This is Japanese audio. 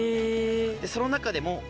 その中でも。